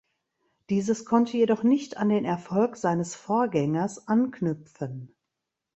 Dieses konnte jedoch nicht an den Erfolg seines Vorgängers anknüpfen.